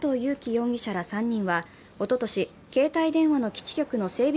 容疑者ら３人はおととし携帯電話の基地局の整備